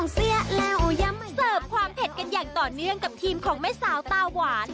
เสี้ยแล้วเสิร์ฟความเผ็ดกันอย่างต่อเนื่องกับทีมของแม่สาวตาหวาน